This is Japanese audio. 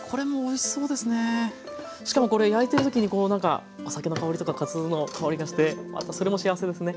しかもこれ焼いてる時にこうなんかお酒の香りとかかつおの香りがしてまたそれも幸せですね。